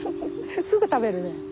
すぐ食べるね。